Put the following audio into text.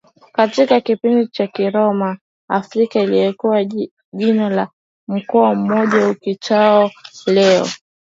katika kipindi cha Kiroma Afrika ilikuwa jina la mkoa mmoja uitwao leo